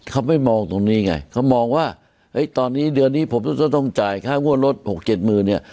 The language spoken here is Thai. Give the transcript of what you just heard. เขาไม่มองตรงนี้ไงเขามองว่าตอนนี้เดือนนี้ผมจะต้องจ่ายค่างวดรถ๖๗หมื่นเนี่ย